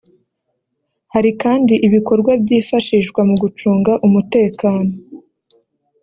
Hari kandi ibikorwa byifashishwa mu gucunga umutekano